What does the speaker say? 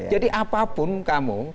jadi apapun kamu